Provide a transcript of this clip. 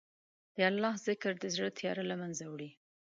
د الله ذکر د زړه تیاره له منځه وړي.